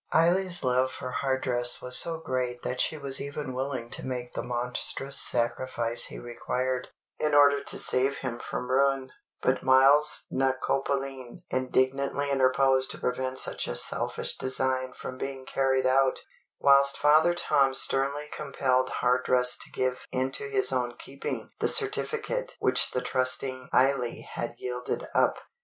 Eily's love for Hardress was so great that she was even willing to make the monstrous sacrifice he required, in order to save him from ruin; but Myles na Coppaleen indignantly interposed to prevent such a selfish design from being carried out, whilst Father Tom sternly compelled Hardress to give into his own keeping the certificate which the trusting Eily had yielded up.